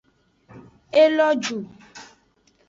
E lo ju.